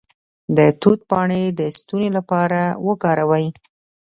د توت پاڼې د ستوني لپاره وکاروئ